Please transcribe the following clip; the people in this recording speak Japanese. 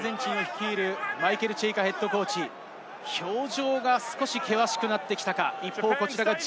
アルゼンチンを率いるマイケル・チェイカＨＣ、表情が少し険しくなってきたか。